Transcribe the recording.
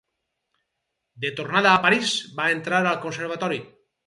De tornada a París va entrar al Conservatori.